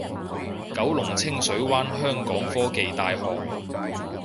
九龍清水灣香港科技大學